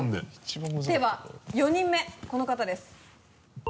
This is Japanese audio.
では４人目この方です。